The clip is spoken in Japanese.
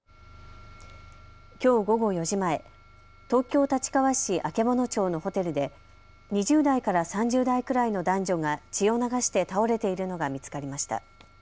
きょう午後４時前、東京立川市曙町のホテルで２０代から３０代くらいの男女が血を流して倒れているのが見つかりました。